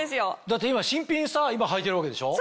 だって今新品履いてるわけでしょ？